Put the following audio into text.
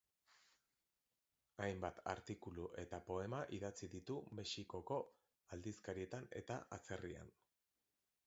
Hainbat artikulu eta poema idatzi ditu Mexikoko aldizkarietan eta atzerrian.